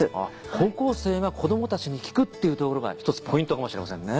高校生が子どもたちに聞くっていうところが一つポイントかもしれませんね。